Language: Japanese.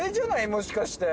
もしかして。